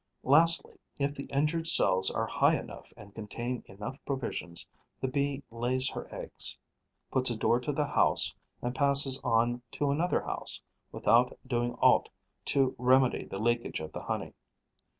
Lastly, if the injured cells are high enough and contain enough provisions, the Bee lays her eggs, puts a door to the house and passes on to another house, without doing aught to remedy the leakage of the honey.